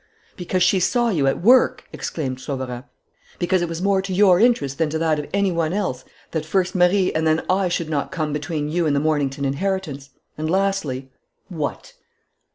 "Because she saw you at work," exclaimed Sauverand, "because it was more to your interest than to that of any one else that first Marie and then I should not come between you and the Mornington inheritance, and lastly " "What?"